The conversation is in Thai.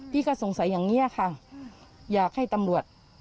สงสัยอย่างนี้ค่ะอยากให้ตำรวจ